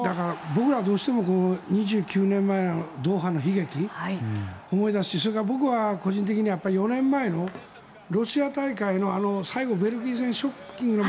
僕ら、どうしても２９年前、ドーハの悲劇を思い出すしそれから僕は個人的には４年前のロシア大会の最後、ベルギー戦ショッキングな。